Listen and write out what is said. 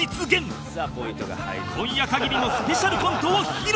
今夜限りのスペシャルコントを披露！